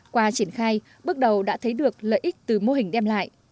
qua triển khai bước đầu đã thấy được lợi ích từ mô hình đem lại